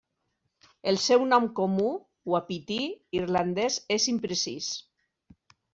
El seu nom comú uapití irlandès és imprecís.